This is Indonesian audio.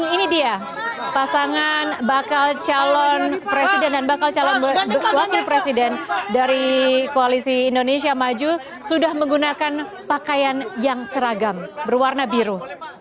ini dia pasangan bakal calon presiden dan bakal calon wakil presiden dari koalisi indonesia maju sudah menggunakan pakaian yang seragam berwarna biru